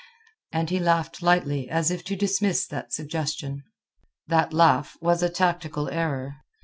And he laughed lightly as if to dismiss that suggestion. That laugh was a tactical error.